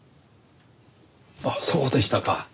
あっそうでしたか。